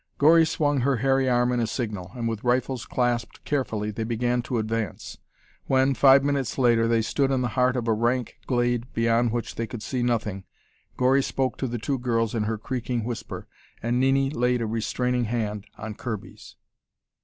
Gori swung her hairy arm in a signal, and with rifles clasped carefully, they began to advance. When, five minutes later, they stood in the heart of a rank glade beyond which they could see nothing, Gori spoke to the two girls in her creaking whisper, and Nini laid a restraining hand on Kirby's.